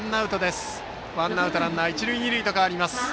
ワンアウトランナー、一塁二塁と変わります。